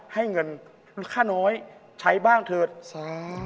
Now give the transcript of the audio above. ให้เงินค่าน้อยใช้บ้างเถอะ